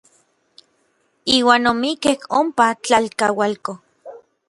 Iuan omikkej ompa tlalkaualko.